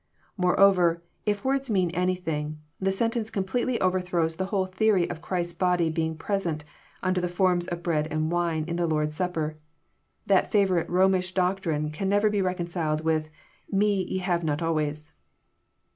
Moreover, if words mean anything, the sentence completely overthrows the whole theory of Christ's body being present under the forms of bread and wine, in the Lord's Supper. That favourite Romish doctrine can never be reconciled with •* Me ye have not always."